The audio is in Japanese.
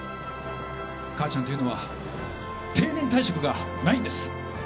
母ちゃんというのは定年退職がないんです。